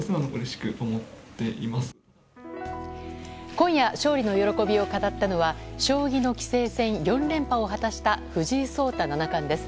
今夜、勝利の喜びを語ったのは将棋の棋聖戦４連覇を果たした藤井聡太七冠です。